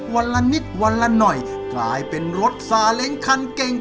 วันละนิดวันละหน่อยกลายเป็นรถซาเล้งคันเก่ง